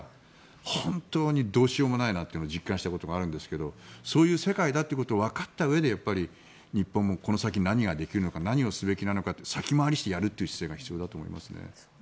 本当にどうしようもないなと実感したことがあるんですがそういう世界だということをわかったうえで日本もこの先、何ができるのか何をすべきなのか先回りしてやる姿勢が必要だと思います。